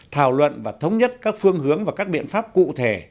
thảo luận và thống nhất các phương hướng và các biện pháp cụ thể